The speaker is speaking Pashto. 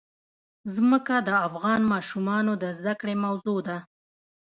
ځمکه د افغان ماشومانو د زده کړې موضوع ده.